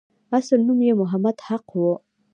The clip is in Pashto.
اصل نوم یې محمد حق وو.